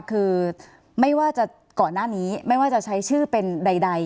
คือไม่ว่าจะก่อนหน้านี้ไม่ว่าจะใช้ชื่อเป็นใด